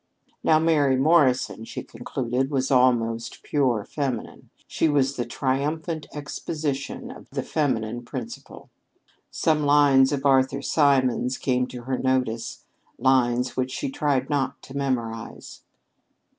Now Mary Morrison, she concluded, was almost pure feminine she was the triumphant exposition of the feminine principle. Some lines of Arthur Symons came to her notice lines which she tried in vain not to memorize.